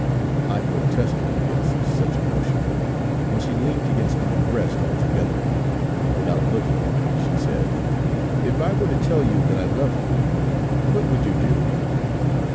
I protested against such a notion, and she leant against my breast altogether, and without looking at me she said: 'If I were to tell you that I love you, what would you do?'